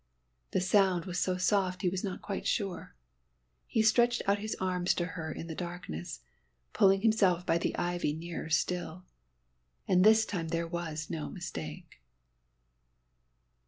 The sound was so soft he was not quite sure. He stretched out his arms to her in the darkness, pulling himself by the ivy nearer still. And this time there was no mistake.